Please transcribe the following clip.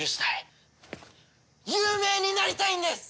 有名になりたいんです！